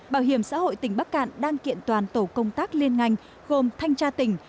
bảo hiểm xã hội tỉnh bắc cạn đang kiện toàn tổ công tác liên ngành gồm thanh tra tỉnh